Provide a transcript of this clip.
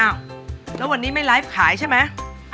อ่าวแล้ววันนี้ไม่ลายขายใช่ไหม